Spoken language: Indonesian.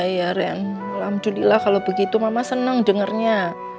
ya ren alhamdulillah kalau begitu mama senang dengarnya